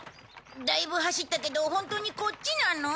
だいぶ走ったけど本当にこっちなの？